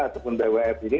ataupun bwf ini